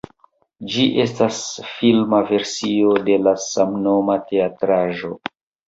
Ĝi estas filma versio de la samnoma teatraĵo.